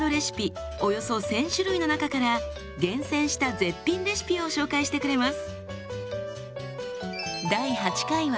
およそ１，０００種類の中から厳選した絶品レシピを紹介してくれます。